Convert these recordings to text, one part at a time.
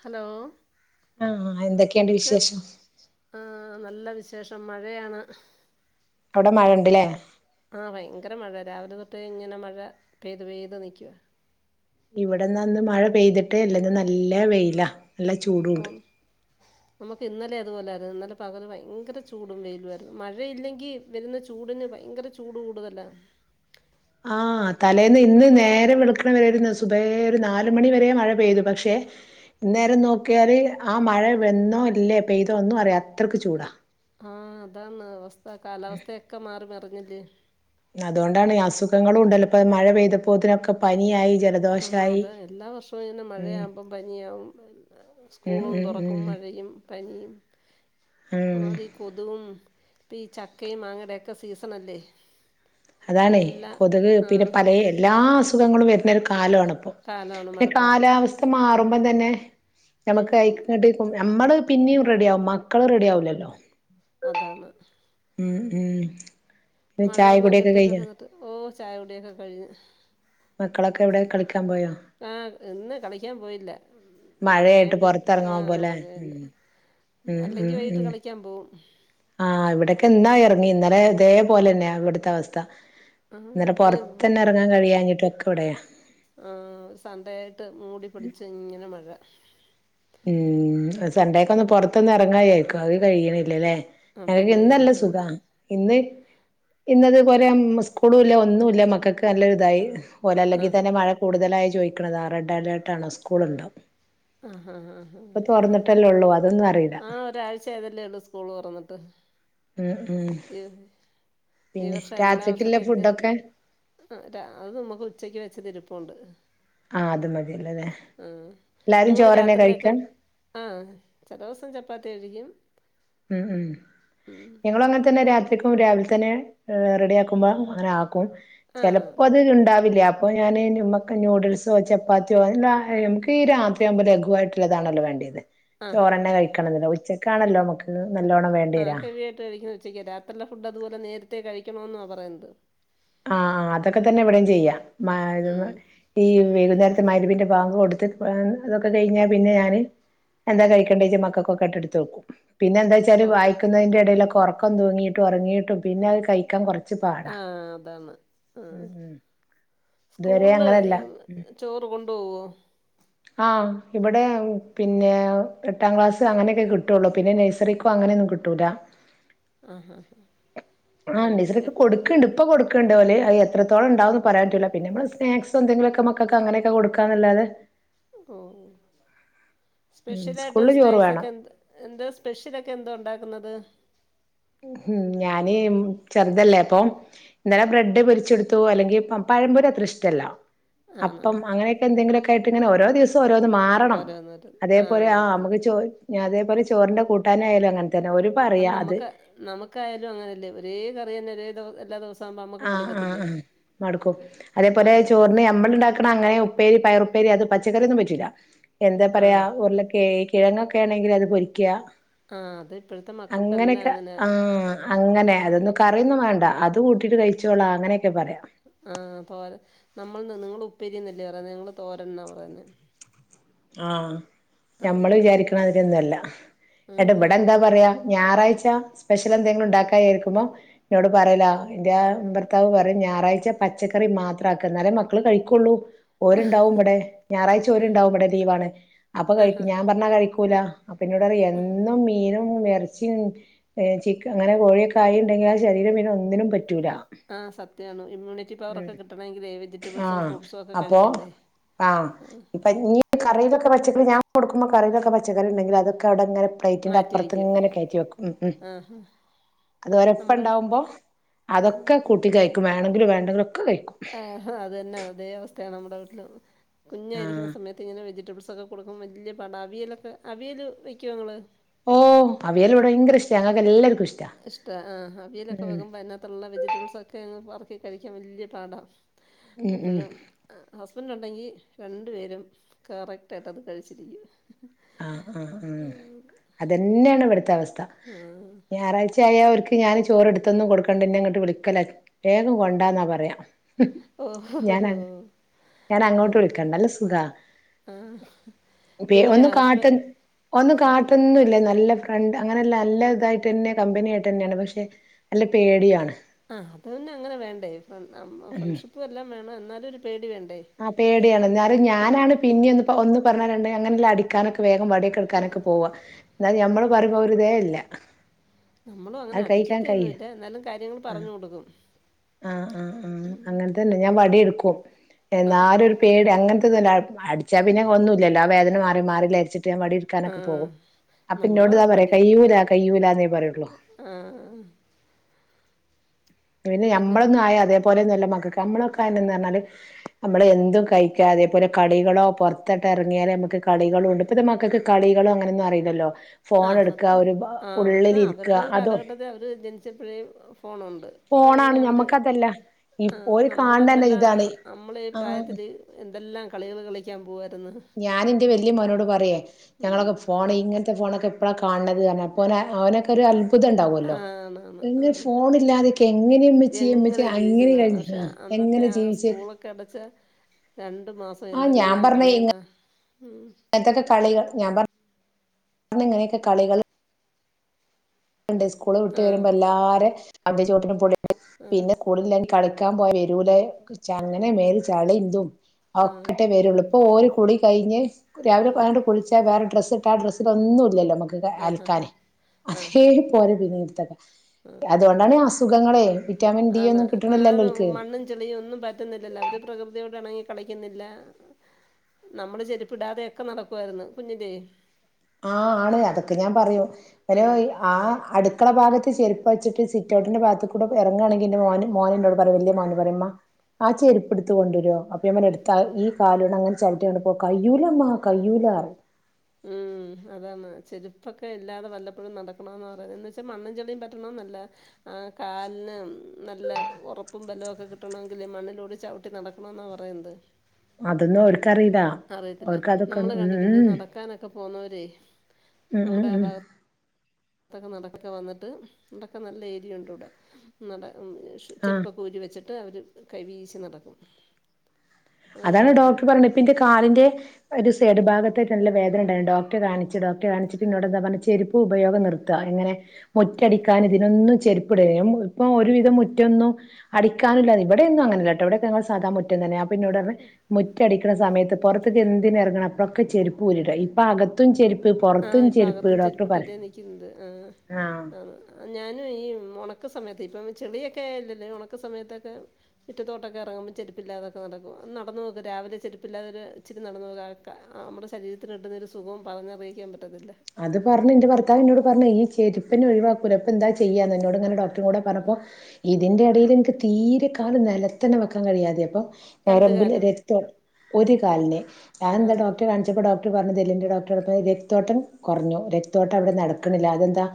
Hello ആഹ് എന്തൊക്കെയുണ്ട് കെൾ വിശേഷം ആ നല്ല വിഷ് ശേഷം മഴയാണ് ടെ മഴ ണ്ട്ലേ ആഹ് വയങ്കര മഴ രാവിലെ തൊട്ടേ ഇങ്ങനെ മഴ പെയ്തു പെയ്ത് നി ക്കുവാ ഇവിടെന്നന്ന് മഴ പെയ്തിട്ടേ ല്ല ന്ന് നല്ല വെയ്ല ല്ല ചൂടു ഉണ്ട് ഓ നമുക്ക് ഇന്നലെ അതുപോലെആയിരുന്നു ഇന്നലെ പകല് ഭയങ്കര ചൂടും വെയിലു ആയിരുന്നു മഴയില്ലെങ്കി വരുന്ന ചൂടിന് ഭയങ്കര ചൂട് കൂടുതലാ ആ തലേന്ന് ഇന്ന് നേരെം വിളുക്കണ വരെരുന്നു സുബേ ഒരു നാല് മണി വരെ മഴ പെയ്തു പക്ഷെ ഇന്നേരം നോക്കിയാല് ആ മഴ വന്നോ ഇല്ലേ പെയ്തോ ഒന്നും അറിയ അത്രയ്ക്ക് ചൂടാ ആഹ് താണ് അവസ്ഥ കാലാവസ്ഥയൊക്കെ മാറി മറ ന്നെട്ട് അതുകൊണ്ടാണ് അസുഖങ്ങളും ഉണ്ടല്ലോപ്പ മഴ പെയ്തപ്പോത്തിനൊക്കെ പനിയായി ആ ജലദോഷായി അതാണ് എല്ലാ വർഷവും ഇനെ ഉം മഴയാകുമ്പം പനിയകും ഉം സ്കൂളും ഉം തുറക്കും ഉം മഴയും പനിയും ഉം അതി കൊതുകും പ്പ ഈ ചക്കയും മാങ്ങേടൊക്കെ സീസൺ അല്ലേ അതാാണ്ഇ കൊതുക് പിന്നെ പലെ എല്ലാ അസുഖങ്ങളും വര്ന്നര്ക് ആലോണം പൊ കാലമാണ് പിന്നെ മഴക്കാലം കാലാവസ്ഥ മാറു പ്പം തന്നെ നമുക്ക് കയിക്കട്ട്കും നമ്മള് പിന്നെയും റെഡിയാവും മക്കള് റെഡിയാവില്ലല്ലോ അതാണ് ഉം ഉം പിന്നെ ചായ മഴവെള്ളം കുടിയൊക്കെ കെട്ടി കഴിഞ്ഞോ കിടന്നിട്ട് ഓ ചായ കുടിയൊക്കെ കഴിഞ്ഞു മക്കളൊക്കെ എവിടെ കളിക്കാൻ പോയോ ആഹ് ഇന്ന് കളിക്കാൻ പോയില്ല മഴയായിട്ട് മഴയയൊണ്ട് ആ പൊറത്തിറങ്ങാൻ പോലെ ഉം മഴയണ്ട് ഉം അല്ലെങ്കി ഉം വൈഇട്ട് ഉം കളിക്കാൻ പോവും ആഹ് ഇവിടൊക്കെ ഇന്നാ എറങ്ങി ഇന്നലെ ഇതേപോലെ തന്നെയാ ഇവിട്ത്തെ അവസ്ഥ ആ ഇന്നട്ട് ഇപ്പം പൊർതെന്നെ എർങ്ങാൻ കഴിയാഞ്ഞിട്ട് [unintelligible] ആഹ് സണ്ടേ ആയിട്ട് മൂടി പിടിച്ച് ഇങ്ങനെ മഴ [unintelligible] ഉം സെണ്ടേക്കെ ഒന്ന് പൊർത്തൊന്ന് എറങ്ങായായിരിക്കും അത് കയ്യ്ണില്ലല്ലേ എനിക്ക് അതല്ലേ ഇന്നല്ല സുഖാ ഇന്ന് ഇന്നത് പോലെ ഉം സ്കൂളുല്ല ഒന്നുല്ല മക്കക്ക് നല്ലൊരു ഇതായി പോല ആ ആ അല്ലെങ്കിതന്നെ മഴ കൂടുതലായി ചോയിക്ക്ണത റെഡ് അലേർട്ടാണോ സ്കൂള്ണ്ടോ ഇപ്പൊ തൊർന്നിട്ടല്ലേ ഒള്ളൂ ആഹ് ഒരാഴ്ച ആയതല്ലേ ഒള്ളു സ്കൂള് തൊറന്നിട്ട് ഉം ഉം ഈ പിന്നെ വർഷം എല്ലാ രാത്രിക്കുള്ള വർഷത്തെക്കെ ഫുഡൊക്കെ അ ര അത് നമുക്ക് ഉച്ചക്ക് വെച്ചത് ഇരിപ്പു ഉണ്ട് ആ അത് മത് ആ നിങ്ങള് രാത്രീലേക്ക് കഴിക്കാ ആ ചെലൂസം ചപ്പാത്തി കഴിക്കും ഉം ഉം ഉം ഞങ്ങളും അങ്ങൻ തന്നെ രാത്രി ക്കും രാവിൽ തന്നെ റെഡിയാക്കുമ്പം അങ്ങനെ ആകും ആഹ് ചെലപ്പോ അത് ഇണ്ടാവില്ല ചെലപൊ ഞാന് നുമക്ക് ന്യൂഡിൽസോ ചപ്പാത്തിയോ [unintelligible] നമുക്ക് ഈ രാത്രിയാവ്മ്പോ ലഘുവായിട്ട്ള്ളതാണല്ലോ വാണ്ടിയത് ആഹ് ഹാ ചോറന്നെ കഴിക്കണന്നില്ല ഉച്ച ക്കാണല്ലോ അമക്ക് ആ ഹെവി ആയിട്ട് കഴിക്കുന്ന ഉച്ചക്ക് രാത്രീലെ ഫുഡ് അതുപോലെ നേരത്തെ കഴി ക്കണോന്നാ പറയുന്നത് ആ അതൊക്കെ തന്നെ ഇവടിം ചെയ്യാ ഉം [unintelligible] ഈ വൈകുന്നേര് മഗ്‌രിബിന്റെ ബാങ്ക് കൊട്ത്ത് ഇതൊക്കെ കഴിഞ്ഞാൽ പിന്നെ ഞാന് എന്താ കൈകണ്ടി വെച്ച മക്കൾക്കൊക്കെ [unintelligible] വെക്കും പിന്നെന്താ വെച്ചാൽ ഓഹ് വായിക്കുന്നെന്റെ എടയിലൊ ക്കൊറക്കം തൂങ്ങിയിട്ടും ഒറങ്ങിയിട്ടും പിന്നെ അത് കയിക്കാൻ കൊർ ആ അത ആന്ന് ആ ഉം ഇതുവരെ സ്കൂൾല് അങ്ങനെയല്ല ചോറു കൊണ്ടോവോ ആ ഇവിടെ പിന്നെ എട്ടാം ക്ലാസ് അങ്ങനെക്കെ കിട്ടൊള്ളൂ പിന്നെ നെയ്സറീക്കും അങ്ങനെകിട്ടൂല ആഹ് ആ ഹാ നസറീക്ക് എട്ട് കൊടുക്ക്ണ്ട് ഇപ്പൊ കൊട് ക്ക്ണ്ട് ഓല് അയ് എത്രത്തോളം ഉണ്ടാവും പറയാൻ പറ്റുല്ല പിന്നെ നമ്മള് സ്നാക്സ് എന്തെങ്കിലുമൊക്കെ മക്കൾക്ക് അങ്ങനെയൊക്കെ കൊടുക്കാന്നല്ലാതെ ഓ ഉം സ്പെഷ്യലായിട്ട് സ്കൂളില് ചോറ് സ്നാക്സ് വേണം ഒക്കെ എ എന്താ സ്പെഷ്യൽ എന്തോ ഉണ്ടാക്കുന്നത് ഹും ഞാന് ചെറുതല്ലേ അപ്പം ഇന്നലെ ബ്രഡ് പൊരിച്ചു കൊടുത്തു അല്ലെങ്കി പഴംപൊരി അത്ര ഇഷ്ടല്ല ആണോ അപ്പം അങ്ങനെ എന്തെങ്കിലും ഒക്കെ യായിട്ട് ഇങ്ങനെ ഓരോ ദിവസം ഓരോന്ന് മാറണം ഓരോന്നോരോന്ന് അതേപോലെ ആഹ് ആ അതന്നെ നമുക്ക് ചോതി അതേ ചോറിന്റെ കൂട്ടാൻ ആയാലും അങ്ങൻ തന്നെ ഓ ല് പറയാ അത് നമുക്ക് ആയാലും അങ്ങനെ അല്ലേ ഒരേ കറി ഒരേ എല്ലാദിവസ ആ ആ ആ മടുക്കും അതേപോലെ ആഹ് ചോറിന് ഞമ്മൾ ഉണ്ടാക്ണ അങ്ങനെ ഉ പ്പേരി പയറു ഉപ്പേരി അത് പച്ചക്കറിയൊന്നും പറ്റൂല്ല എന്താ പറയാ ആഹ് ഉരുളക്കേ കിഴങ്ങൊക്കെ ആണെങ്കിൽ അത് പൊരിക്ക്യ ആഹ് അത് ഇപ്പോഴത്തെ മക്കൾക്കെല്ലാം അങ്ങനെ ആഹ് അങ്ങനെ അതൊന്നും കറിയൊന്നും വേണ്ട അത് കൂ ട്ടിട്ട് കഴിച്ചോളാ അങ്ങനെ ആഹ് തോര നമ്മൾ ന്ന് നിങ്ങൾ ഉപ്പേരിന്ന ല്ലേ പറയ്ന്നെ ഞങ്ങള് തോരൻ എന്നാ പറയുന്നേ ആഹ് ഞമ്മള് വിചാരിക്കണമാതിരിയൊന്നല്ല എട ആഹ് ഇവിടെ എന്താ പറയാ ഞാറാ യ്ച സ്പെഷ്യൽ എന്തെങ്കിലും ഉണ്ടാക്കായാരിക്കുമ്പോ എന്നോട് പറയല എന്റെ ഭർത്താവ് പറയും ഞായറാഴ്ച പച്ചക്കറി മാത്ര ആക്ക എന്നാലേ മക്കള് കഴിക്കുള്ളൂ ഓര്ണ്ടാവും ഇവടെ ഞായറാഴ് ച ഓരുണ്ടാകും ഇവടെ ലീവാണ് അപ്പൊ കഴിക്കും ഞാൻ പറഞ്ഞാ കഴിക്കൂല അപ്പ ഇന്നോട് പറിം എന്നും മീനും ഇറച്ചിയും ചിക്ക അങ്ങനെ കോഴിയൊക്കെ ആയി ഉണ്ടെങ്കിൽ ആ ശരീരം പിന്നെ ഒന്നിനും പറ്റു ആഹ് സത്യാണ് ഇമ്മ്യൂ ഉം ആഹ് ഒക്കെ അപ്പൊ കഴിക്കണ്ടേ ആഹ് ഇപ്പൊ ഇഞ് കറി ക്ക പച്ചക്കറി ഞൻ കൊടുക്ക്മ്പോ കറിയിലൊക്കെ പച്ചക്കറി ഉണ്ടെങ്കിൽ അതൊക്കെ അവിടെങ്ങനെ പ്ലേറ്റിന്റെ മാറ്റി അപ്പുറത്ത് വെക്കും ഇങ്ങനെ കയറ്റി വെക്കും ഉ ഉം ആഹ് അത് ഓരപ്പ നമ്മുടെ ഉണ്ടാവുമ്പോ അതൊക്കെ കൂട്ടി കഴി ക്കും വേണങ്കിലും വേ ണ്ടങ്കിലും ആഹ അത്തന്നെ അതേ അവസ്ഥയാണ് നമ്മ മ [unintelligible] കുഞ്ഞായിരിക്കുന്ന ആഹ് സയത്ത് ഇങ്ങനെവെജിറ്റബിൾസ് സൊക്ക കൊടുക്കുമ്പോ വലിയ പാട അവിയലൊക്കെ അവിയൽ വയ്ക്കുമോ നിങ്ങൾ ഓ അവിയല് ഇവിടെ ഭയങ്കര ഇഷ്ട ഞങ്ങൾക്ക് എല്ലാവർക്കും ഇഷ്ട ഇഷ്ട ആഹ് അവിയലൊക്കെ വെകുമ്പോ അതിനകത്തുള്ള വെജിറ്റബിൾസ് ഒക്കെ പറ കഴിക്കാൻ വലിയ പാടാ ഉം അപ്പോ ഉം ഹസ്ബൻഡ അല്ലെങ്കിൽ രണ്ടു പേരും കറക്റ്റായിട്ട് കഴിച്ചിരിക്കും ആ ആ ഉം അതന്നെയാണ് ഇവിടുത്തെ അവസ്ഥ ആഹ് ഞായറാഴ്ച ആയ അവർക്ക് ഞാന് ചോറ്ടുത്തൊന്നും കൊടുക്കണ്ടന്നെ ഇങ്ങോട്ട് വിളിക്കല വേഗം കൊണ്ടാന്നാ പറയാം ഓ ഞാൻ അങ്ങോട്ട് വിളിക്കണ്ട് നല്ല സുഖാ ആ ദൂരാ ക്കൻ ഒന്നും കാട്ടൊന്നുല്ല നല്ല ഫ്രണ്ട് അങ്ങനല്ല നല്ലതായിട്ടെന്നെ കമ്പനിയായിട്ടെന്നെണ് പക്ഷേ നല്ല പേടിയൂആണ്. ആഹ് അത്പിന്നങ്ങനെ വേണ്ടേ ഫ്രണ്ട്ഷിപ്പുഎല്ലാം എന്നാലുഒരുപേടിവേണ്ടേ. അതേടിആണ് ന്നാലും ഞാനാണ് പിന്നിം ഒന്ന് ഒന്ന്പറ ന്നാ രണ്ട് അങ്ങനല്ല അടിക്കാനൊക്കെ വെ വാട്യൊക്കെ ട്ക്കാൻ ഒക്കെ പോവാ ന്നാലു ഞമ്മൾ പറിമ്പോ ആ ഒരിതേ ല്ല നമ്മളും അങ്ങനെ അഹ് കയ്ക്കാൻകൈ അടിക്കത്തൊന്നുമില്ല എന്നാലും കാര്യങ്ങൾ ആഹ് പറഞ്ഞു കൊടുക്കും ആ ആ ആ അങ്ങൻതന്നെ ഞാൻ വടിട് ക്കു ഒഹ് ആ എന്നാലൊരു പേടി അങ്ങൻ ട്ട്ന്നുല്ല അട്ച്ചാ പിന്നെ ഒന്നുല്ലല്ലോ ആ വേദന മാറി മാറിലാർച്ച് ത്യാ ആ വടിട്ക്കാനൊക്കെ പോവും, അപ്പൊ ന്നോട് താ നമ്മളും പറിയ വടി കയ്യൂല കയ്യൂല ന്നേ പറയൊള്ളു ആ പിന്നെ നമ്മളൊന്നും ആയ തേ പോലെഒന്നുഅല്ലമക്കക്ക് ഞമ്മളൊക്കെ ആയന്നർഞ്ഞാൽ ഞമ്മളെന്തും കഴിക്കാ അതേപോലെ കളികളോ പൊർതൊക്കെ എർങ്ങിയാൽ മ്മക്ക് കളികളുണ്ട് ഇപ്പത്തെ മക്കക്ക് കളികളങ്ങനൊന്നും അറീലല്ലോ ആഹ് സത്യം ആ അവർക്ക് അവരുടെ ഒരു അതോ കാലഘട്ടത്തിഅവര് [unintelligible] [unintelligible] [unintelligible] പോണുണ്ട് അങ്ങനെ ഫോണാണ് അവര് ഞമ്മക്കതല്ല ഈ ആഹ് ഓര് കാണണന്നെ നമ്മളെന്തെല്ല ഇതാണ് നമ്മളീ ആ പ്രായത്തിൽ ന്തെല്ലാ കളികൾ കളിക്കാൻ പോവെ ഞാനിന്റെ വല്ല്യ മോനോട് പറിയെ ഉം. ഞങ്ങളൊക്കെ ഫോൺ ഇങ്ങൻത്തെ ഫോണൊക്കെ പ്പളാ കാണ് ണത് ർഞ് അപ്പൊന് ഓനൊക്കെര് അത്ഭു ആ തണ്ടാവുല്ലോ ആണാണ് ആ എങ്ങെ ഫോണില്ലതൊക്കെ എങ്ങനെ മ്മച്യേ എങ്ങനെ ജീവിച്ചെന്നാണ് പക്ഷെ [unintelligible] [unintelligible] അന്നത്തെ എങ്ങനെ ആ ജീവിച്ച്. സ്കൂളൊക്കെ അടച്ച രണ്ട് മാസം എന്തെല്ലാം കളിക്കള എന്തൊക്കെ കളികൾ ഞാൻ പർ ഞങ്ങളോക്കെ കളികൾ ആ സ്കൂൾ വിട്ട് ആ വരുമ്പോല്ലാരെ [unintelligible] അവര് ചോദിക്കുമ്പോൾ [unintelligible] പിന്നെ ആ കൂടെല്ലെൻ കളിക്കാൻ പോയ വരൂലേ അങ്ങനെ മേൽ ചളീം തും ഒക്കെട്ടെ വരുള്ളു പ്പോൽ കു കുളി കഴിഞ്ഞ് രാവിലെ പോയാണ്ട് കുളിച്ചു വേറെ ഡ്രസ്സ്‌ ആ ഡ്രെസ്സിൽ ഒന്നുല്ലല്ലോ നമ്മക്ക് ആ ഹാ അൽക്കാൻ ഹാ ആ അതോണ്ടാണ് ഹസ് സുഖങ്ങളേ ആണ ആണോ മണ്ണും ചെളിയും ഒന്നും പറ്റുന്നില്ലല്ലോ അവര് പ്രകൃതിയോട് ഇണങ്ങി കളിക്കുന്നില്ല നമ്മള് ചെരുപ്പിടാതൊക്കെ നടക്കുവാരുന്ന് കുഞ്ഞിലെ ആ ആണ് അതൊക്കെ ഞാൻ പറയും വര് ഉം ആ അടുക്കള ഭാഗത്ത് ചെരുപ്പ് വെച്ചിട്ട് സിറ്റൗട്ടിന്റെ ഭാഗത്തുക്കൂടെ എറങ്ങാണെങ്കി എന്റെ മോനും മോളും പറയും വല്ല്യ മോന് പറയും ഉമ്മാ ആ ചെരുപ്പ് എടുത്ത് കൊണ്ട് വരോ അപ്പു അങ്ങനെ എടുത്താൽ ഈ കാല് കൊണ്ടവൻ ചവിട്ട് കണ്ടപ്പോ കയ്യൂല്ലമ്മാ കയ്യൂല്ല ഉം അതാണ് ചെരുപ്പൊക്കെ ഇല്ലാതെ വല്ലപ്പോഴും നടക്കണമെന്ന് പറയുന്നത് പക്ഷേ മണ്ണും ചെളിയും പറ്റണതും നല്ലതാ ആ കാലിന് നല്ല ഒറപ്പും ബലവുമൊക്കെ കിട്ടണോങ്കിൽ മണ്ണിലൂടെ ചവിട്ടി നടക്കണമെന്നാ പറയുന്നത് അതൊന്നും ഓര് അറിയത്തില്ല നമ്മള് കണ്ടിട്ടുണ്ട് ഉം നടക്കാനൊക്കെ പോകുന്നോരെ ഉം ഉം നമ്മുടെ ആ ഉം ഭാഗ അത് നടക്കാൻ വന്നിട്ട് ഇവിടൊക്കെ നല്ല ഏരിയുണ്ട് ഇവിടെ നട ഷ് ആഹ് ചെരുപ്പൊക്കെ ഊരിവെച്ചി [unintelligible] അവര് കൈ വീശി നടക്കും അങ്ങനെ അതാണ് ഡോക്ടർ കണ്ടിട്ടുണ്ട് പറഞ്ഞെ ഇപ്പൊ ന്റെ കാലിൻ്റെ ഒര് സൈഡ് ഭാഗത്തായിട്ടാണല്ലോ വേദന ഉണ്ടായിരുന്നത് റ്റ് കാണിച്ച് ഡോക്ടറെ കാണിച്ചിട്ട് എന്നോടെന്താ പറഞ്ഞെ ചെരുപ്പുപയോഗം നിർത്താ എങ്ങനെ മുറ്റം അടിക്കാൻ ഇതിനൊന്നും ചെരുപ് ഇവിടേയും ഇപ്പൊ ഒരുവിധം മുറ്റൊന്നും അടിക്കാനില്ലാതെ ഇവിടെയൊന്നും അങ്ങനെ അല്ലാട്ടാ ഇവിടെയൊക്കെ ഞങ്ങക്ക് സാധാ മുറ്റം തന്നെയാ എന്നോട് റഞ്ഞ് മുറ്റടിക്ക [unintelligible] സമയത്ത് പൊറത്തേക്ക് എന്തിന് ഇറങ്ങണം അപ്പൊക്കെ ചെരുപ്പ് ഊരിയിടാം ഇപ്പോ അകത്തും ചെരുപ് ആ ഇപ്പോ അകത്തും ചെരുപ്പിട്ടല്ലേ നിയ്ക്കുന്നത് ആ ആഹ് ആ ഞാനും ഈ ഒണ [unintelligible] സമയത്തെ ഇപ്പൊ ചെളിയൊക്കെ അല്ലല്ലോ ഒണക്കു സമയത്തൊക്കെ മിറ്റത്തോട്ട് ഒക്കെ ഇറങ്കുമ്പോ ചെരുപ്പ് ഇല്ലാതെ ഒക്കെ നടക്കും ഒന്ന് നടന്നു നോക്ക് രാവിലെ ചെരുപ്പ് ഇല്ലാതെ ഇച്ചിരി നടന്നു നോക്ക് നമ്മടെ ശരീരത്തിന് കിട്ടുന്ന ഒരു സുഖം പറഞ്ഞത് അറിക്കാൻ - ക്കണം [unintelligible] അത് പറഞ്ഞ് ന്റെ ഭർത്താവിന്നോട് പറഞ്ഞ് ഈ ചെരുപ്പിനെ ഒഴിവാ ക്കൂല പ്പ എന്താ ചെയ്യാന്ന് എന്നോടങ്ങനെ ഡോക്ടരും കൂടേ പറഞ്ഞപ്പോ ഉം. ഇതിന്റെ എടേല് നിക്ക് തീരെ കാല് നെല അതിൽ തന്നെ വെക്കാ കഴിയാതെ അപ്പം- രണ്ട് ഞരമ്പില് കാലും രക്തം ഒര്- കാലിന്- ഞാൻ ആ എന്താ ഹാ ഡോക്ടറെ കാണിച്ചപ്പോ ഡോക് പറഞ്ഞത് എല്ലിന്റെ ഡോക്ടറ് രക്തോട്ടം- കൊറഞ്ഞു രക്തഓട്ടം അവിടെ നടക്കണില്ല അതെന്താ-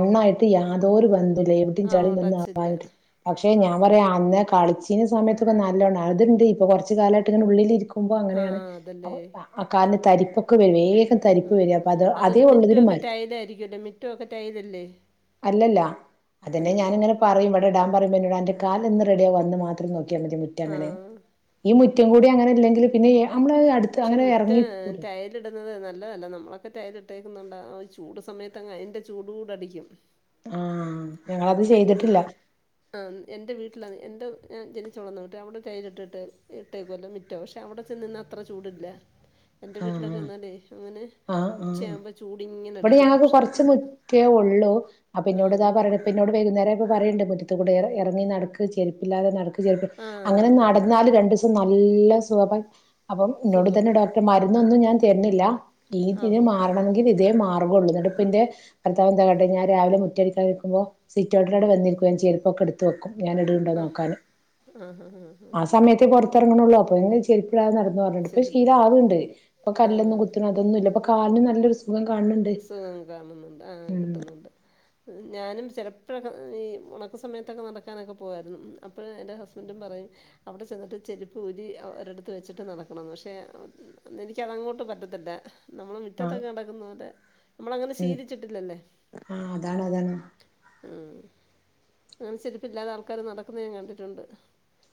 ആ യാതൊ തോര് ബന്ധും ആ പെയിന്റുംചളി ടച്ചില്ല വന്ന് പക്ഷെ ആ ഞാൻ ഹാ പറ ഹാ അന്നേ കളി ഈ സമയത്തൊക്കെ നല്ലോണം അതും ദേ കുറച്ചു കലാവായിട്ടു ഇങ്ങനെ ഉള്ളിൽ ഇരിക്കു ആ അങ്ങനാണ് അതല്ലേ അപ്പോ ആ കാലിനു തരിപ്പ് [unintelligible] തരിപ്പ് വരിക അതുവല്ല മുറ്റമൊക്കെ ടൈലായിരിക്കൂലോ മുറ്റം ഒക്കെ ടൈൽ അല്ലേ അല്ലല്ല അത് പിന്നെ ഞാനങ്ങനെ പറയ്‌ ഇവടിടാൻ പറയുമ്പോ എന്നോട് അവന്റെ കാല് എന്ന് റെഡിയാകുവോ അന്ന് മാത് [unintelligible] ആ മുറ്റങ്ങനെ ഈ മുറ്റ് മുറ്റം കൂടി അങ്ങനില്ലെങ്കില് പിന്നെ നമ്മട് അടുത്ത് പക്ഷെ അങ്ങനെ മുറ്റം ഇറങ്ങീട്ടുപോലുമില്ല ടൈലിടുന്നത് നല്ലതല്ല നമ്മളൊക്കെ ടൈൽ ഇട്ടേക്കുന്നോണ്ട് ചൂട് സമയത്ത് അങ്ങ് അതിന്റെ ചൂടൂടെ അടിക്കും ആഹ് ഞങ്ങളത് എന്റെ വീട്ട് ചെയ്തിട്ടില്ല ആ എന്റെ വീട്ടിലാ എന്റെ ഞാൻ ജനിച്ചു വളർന്നു വന്ന വീട്ടിൽ അവടെ ടൈൽ ഇട്ടിട്ട് ഇട്ടേക്കുവല്ല മുറ്റവാ പക്ഷെ അവടെ ചെന്നുനിന്ന അത്രം ചൂടില്ല എൻ്റെ വീട്ടിലൊക്കെ ആഹ് നിന്നാലേ അങ്ങനെ ആഹ് ആഹ് ആഹ് ഉച്ചയാകുമ്പോൾ ചൂടിങ്ങനെ ഇവടെ അടിക്കും ഞങ്ങക്ക് പക്ഷെ കുറച്ച് മുറ്റേ ഉള്ളു അപ്പോ ആ എന്നോടിത പറേണ്‌ ഇപ്പോ എന്നോട് വൈകുന്നേരം പറയണ്ട് മുറ്റത്തൂടെ ഇറങ്ങി നടക്ക് ചെരിപ്പില്ലാതെ നടക്ക് ആ അങ്ങനെ അത് തന്നെ നടന്നാല് രണ്ടൂസം ന എല്ലാം സോപക്ക് അപ്പോ ഇന്നോട് ഇതന്നെ സുഖമാണ് ഡോക്ട മരുന്നൊന്നും ഞാൻ തെർന്ന്ല്ല ആ ലീതിനി ഹോ ഹോ മാറണമെങ്കി ഇതേ മാർഗം നമുക്കൊന്ന് രണ്ടു പിന്നെ [unintelligible] ഞാൻ രാവിലെ മുറ്റമ നൈക്കുമ്പോ സിറ്റൗട്ടിലൗടെ വന്നി രി ക്കും ചെ ക്കെടുത്തു ഞാൻ ഇടുണ്ടോനോക്കാനു ആഹ് ആഹ് ആഹ് ആ സമയത്ത് പൊറത്തറങ്ങു [unintelligible] [unintelligible] ചെരുപ്പിടാതെ നട പറ്ഞ്ഞ്ട്ട് ഇപ്പോ ശരിപ്പരി ശീലാവ്ണ്ട് ഇപ്പോ കല്ലൊന്നും ആഹ് കുത്ത്ണതൊന്നുല്ല ഇപ്പോ കാലിന് നല്ലൊരു സു സുഖം കാണുന്നുണ്ട് ആ ഉം കിട്ടുന്നുണ്ട് ഞാനും ചെലപ്പൊക്കെ ഈ ഒണക്ക സമയത്തൊക്കെ നടക്കാനൊക്കെ പോവായിരുന്നു അപ്പഴ് എൻറെ ഹസ്ബൻഡും പറയും അവിടെ ചെന്നിട്ട് ചെരുപ്പ് ഊരി ഒരിടത്ത് വെച്ചിട്ട് നടക്കണന്ന് പക്ഷേ എനിക്കതങ്ങോട്ട് പറ്റത്തില്ല നമ്മള് ആഹ് മിറ്റത്തൊക്കെ നടക്കുന്ന പോലെ നമ്മളങ്ങനെ ഉം ശീലിച്ചിട്ടില്ലല്ലേ ആഹ് അതാണ് അതാണ് ഉം അങ്ങനെ ചെരിപ്പില്ലാതെ ആൾക്കാര് നടക്കുന്നത് ഞാൻ കണ്ടിട്ടുണ്ട്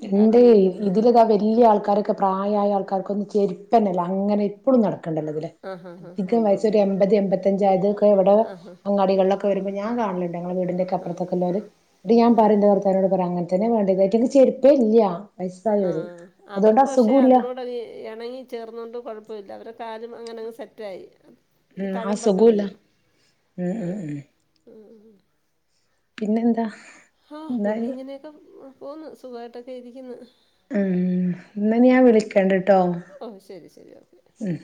എന്റെ പാക്കിങ്ങിന് വരുന്നവര് ഇതിലിതാ വല്ല്യ ആൾക്കാരൊക്കെ പ്രായയായ ആൾക്കാർക്- - ചെരുപ്പന്നെല്ല അങ്ങനെ ഇപ്പളും നടക്കും ക്കണ്ടല്ലൊതി ലെ ആഹ് ആഹ് ആഹ് ധികം ഉണ്ട് വയസ് ഉണ്ട് ഒരു ഉണ്ട് എമ്പത് എൺമ്പത്തഞ്ച് ആയതൊക്കെ ഇവടെ ആഹ് ആഹ് അങ്ങാടികളിലൊക്കെ വരുമ്പോ ഞാൻ കാണല്ണ്ട് ഞങ്ങടെ ആഹ് ആഹ് വീടിന്റെക്കപ്പുറത്തൊക്കെ ഇല്ലോര് ട്ട് ഞാൻ ആഹ് പറിം എന്റെ ഭർത്താവിനോട് പറിം അങ്ങനെ അതന്നെ വേണ്ട്യേത് അയ്റ്റെങ്ങ് ചെരു പില്യ ആഹ് അവർക്ക് പക്ഷെ അതിനോട് എണങ്ങി ചേർന്നോണ്ട് കൊഴപ്പ പ്പയില്ല അവരുടെ കാര്യം അങ്ങനങ്ങ് സെറ്റായി ഈ ഉം തഴമ്പൊക്കെ അസുഖുല്ല വരും ഉം ഉം ആഹ് ഉം പിന്നെന്താ ആഹ് പിന്നെ ന്നാല് ഇങ്ങനെയൊക്കെ പോകുന്നു സുഖായിട്ടൊക്കെ ഇരിക്ക്ന്നു ഉം എന്ന ഞാൻ വിളിക്കണ്ട്ടോ ഓ ശരി ശരി ഓക്കെ ഉം